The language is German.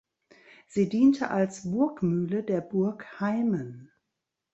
Sie diente als Burgmühle der Burg Heimen.